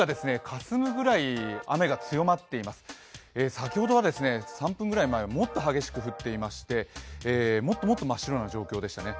先ほどは３分ぐらい前はもっと激しく降っていましてもっともっと真っ白な状況でしたね。